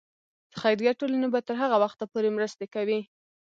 خیریه ټولنې به تر هغه وخته پورې مرستې کوي.